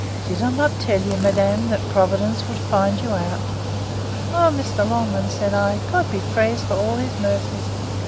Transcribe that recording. Did I not tell you, madam, that Providence would find you out? O, Mr. Longman, said I, God be praised for all his mercies!